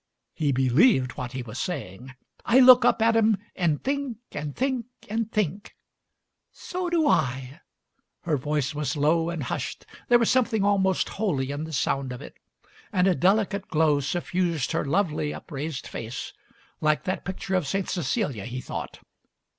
He believed what he was saying. "I look up at 'em, and think and think and think " "So do I." Her voice was low and hushed; there was something almost holy in the sound of it, and a delicate glow suffused her lovely, upraised face — Digitized by Google 146 MARY SMITH like that picture of Saint Cecilia, he thought.